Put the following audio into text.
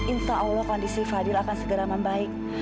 insya allah kondisi fadil akan segera membaik